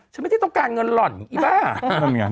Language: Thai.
ไม่ได้ต้องการเงินหล่อนอีบ้า